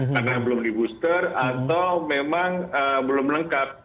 karena belum di booster atau memang belum lengkap